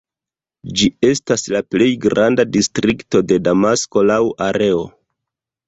Ĝi estas la plej granda distrikto de Damasko laŭ areo.